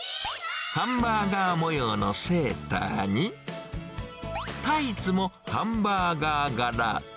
ハンバーガー模様のセーターに、タイツも、ハンバーガー柄。